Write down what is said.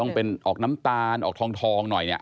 ต้องเป็นออกน้ำตาลออกทองหน่อยเนี่ย